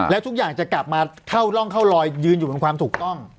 แล้วทุกอย่างจะกลับมาเข้าร่องเข้ารอยยืนอยู่บนความถูกต้อง